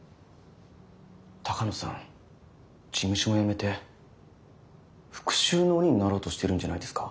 鷹野さん事務所も辞めて復讐の鬼になろうとしてるんじゃないですか？